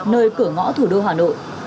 nơi cửa ngõ thủ đô hà nội